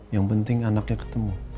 yang penting anaknya ketemu